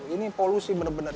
ini polusi bener bener